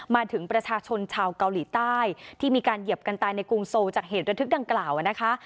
มาถึงประชาชนชาวเกาหลีใต้ที่มีการเหยียบกันตายในกรุงโซลจากเหตุระทึกดังกล่าวนะคะ